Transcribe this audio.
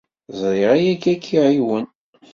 Ẓriɣ ayagi ad ak-iɛiwen.